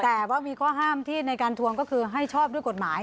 แต่ว่ามีข้อห้ามที่ในการทวงก็คือให้ชอบด้วยกฎหมาย